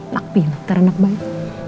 nakpil nantaranak baik